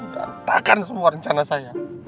berantakan semua rencana saya